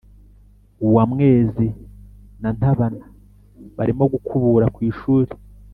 uwamwezi na ntabana barimo gukubura ku ishuri.